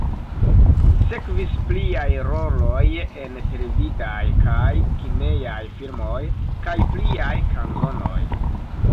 Sekvis pliaj roloj en televidaj kaj kinejaj filmoj, kaj pliaj kanzonoj.